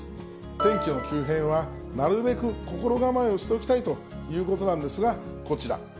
天気の急変は、なるべく心構えをしておきたいということなんですが、こちら。